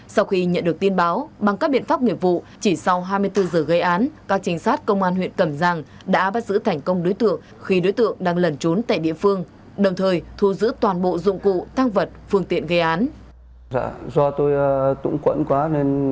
sau khi nhận được tin báo bằng các biện pháp nghiệp vụ chỉ sau hai mươi bốn giờ gây án các trinh sát công an huyện cẩm giang đã bắt giữ thành công đối tượng khi đối tượng đang lẩn trốn tại địa phương đồng thời thu giữ toàn bộ dụng cụ thang vật phương tiện gây án